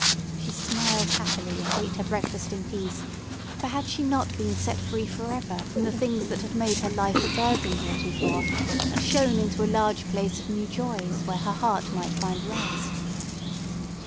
She smiled happily, and ate her breakfast in peace, for had she not been set free forever from the things that had made her life a burden heretofore, and shown into a large place of new joys where her heart might find rest?